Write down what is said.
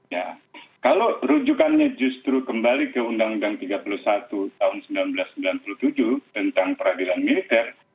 ya kalau rujukannya justru kembali ke undang undang tiga puluh satu tahun seribu sembilan ratus sembilan puluh tujuh tentang peradilan militer